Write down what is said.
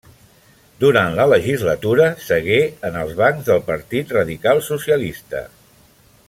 Durant la legislatura, segué en els bancs del partit radical socialista.